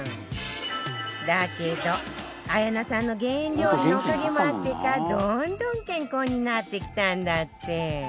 だけど綾菜さんの減塩料理のおかげもあってかどんどん健康になってきたんだって